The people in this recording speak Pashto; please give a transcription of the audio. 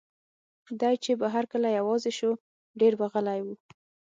دی چې به هر کله یوازې شو، ډېر به غلی و.